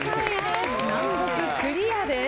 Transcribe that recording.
難読クリアです。